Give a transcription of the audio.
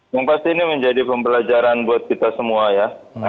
yang pasti ini menjadi pembelajaran buat kita semua ya